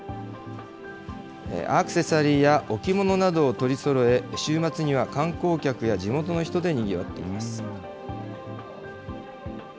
アクセサリーや置物などを取りそろえ、週末には観光客や地元の人でにぎわっています。